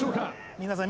皆さん。